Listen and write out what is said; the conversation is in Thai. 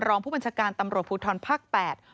รองผู้บัญชการตำรวจภูทรภักดิ์๘